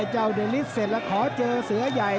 เจ้าเดลิสเสร็จแล้วขอเจอเสือใหญ่